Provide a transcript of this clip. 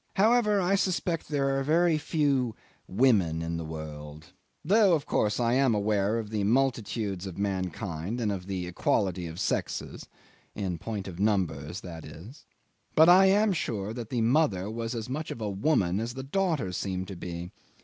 However, I suspect there are very few women in the world, though of course I am aware of the multitudes of mankind and of the equality of sexes in point of numbers, that is. But I am sure that the mother was as much of a woman as the daughter seemed to be.